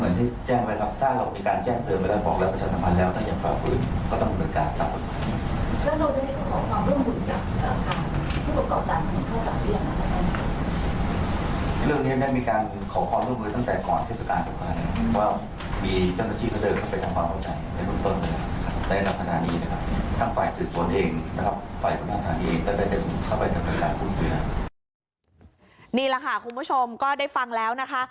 นี่แหละค่ะคุณผู้ชมก็ได้ฟังแล้วนะคะ